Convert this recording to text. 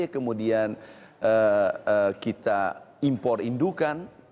kemudian kita impor indukan